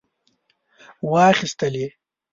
واخیستلې.